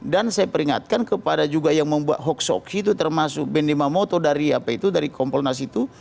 dan saya peringatkan kepada juga yang membuat hoax hoax itu termasuk bendy mamoto dari komponasi itu